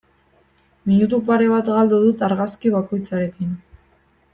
Minutu pare bat galdu dut argazki bakoitzarekin.